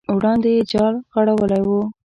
وړاندې یې جال غوړولی و.